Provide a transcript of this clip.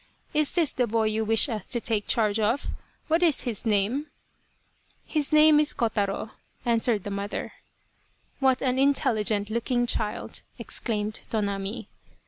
Is this the boy you wish us to take charge of ? What is his name ?"" His name is Kotaro !" answered the mother. " What an intelligent looking child !" exclaimed Tonami.